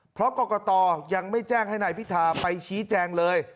เพราะกรกตยังไม่แจ้งให้นายพิธาไปชี้แจงเลย